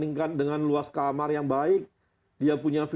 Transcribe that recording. mungkin orang gak nyangka kalau ternyata kita bisa berada di bali